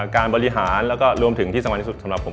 การบริหารแล้วก็รวมถึงที่สำคัญที่สุดสำหรับผม